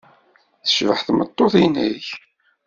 Tecbeḥ tmeṭṭut-nnek?